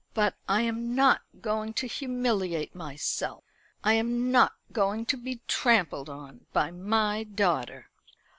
"But I am not going to humiliate myself. I am not going to be trampled on by my daughter."